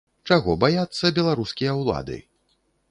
Чаго баяцца беларускія ўлады?